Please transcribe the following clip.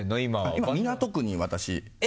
今、港区に私。